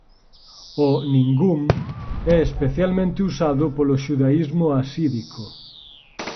O "nigum" é especialmente usado polo xudaísmo hasídico.